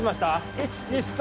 １２３！